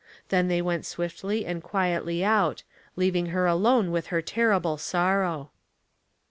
Then they went swiftly and quietly out, leaving her alone with her terrible sorrow.